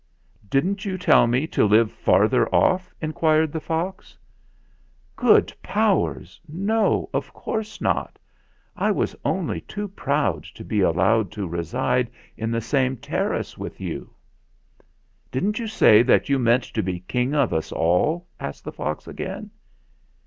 "Didn't you tell me to live farther off?" in quired the fox. "Good powers! No, of course not. I was only too proud to be allowed to reside in the same terrace with you!" 3 14 THE FLINT HEART "Didn't you say that you meant to be King of us all?'' asked the fox again.